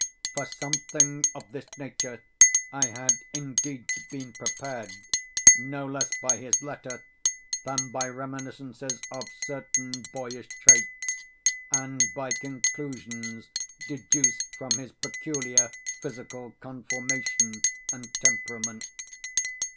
For something of this nature I had indeed been prepared, no less by his letter, than by reminiscences of certain boyish traits, and by conclusions deduced from his peculiar physical conformation and temperament.